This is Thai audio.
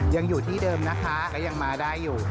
ยังอยู่ที่เดิมนะคะก็ยังมาได้อยู่